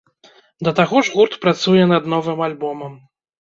Да таго ж гурт працуе над новым альбомам.